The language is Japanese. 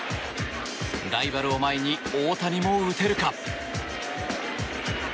ライバルを前に大谷も打てるか？